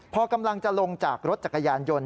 พอกำลังจะลงจากรถจักรยานยนต์